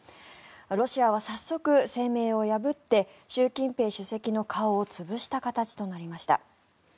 ロシアは早速、声明を破って習近平主席の顔を潰した形となりました。